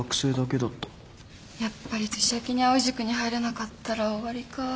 やっぱり年明けに藍井塾に入れなかったら終わりか。